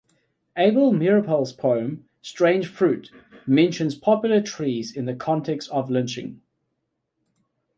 Abel Meeropol's poem Strange Fruit: mentions poplar trees in the context of lynching.